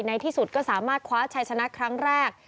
ในที่สุดก็สามารถคว้าชัยชนะครั้งแรก